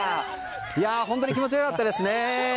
本当に気持ちが良かったです。